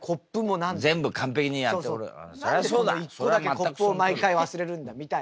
何で１個だけコップを毎回忘れるんだみたいな。